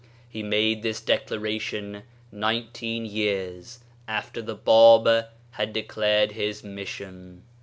He made this declaration nineteen years after the Bab had declared his mission.